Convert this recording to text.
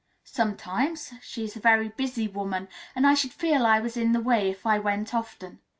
"Sometimes. She is a very busy woman, and I should feel I was in the way if I went often."